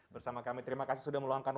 bersama kami terima kasih sudah meluangkan